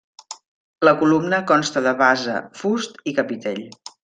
La columna consta de base, fust i capitell.